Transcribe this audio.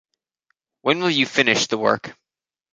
When will you finish the work?